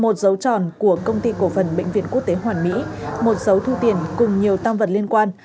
một dấu tròn của công ty cổ phần bệnh viện quốc tế hoàn mỹ một dấu thu tiền cùng nhiều tam vật liên quan